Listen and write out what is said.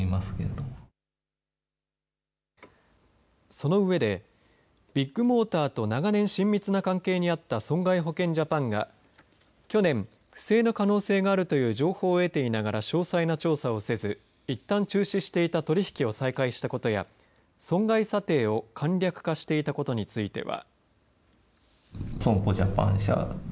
そのうえでビッグモーターと長年親密な関係にあった損害保険ジャパンが去年、不正な可能性があるという情報を得ていながら詳細な調査をせずいったん中止していた取り引きを再開したことや損害査定を簡略化していたことについては。